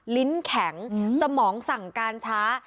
ลิ้นแข็งสมองสั่งการช้า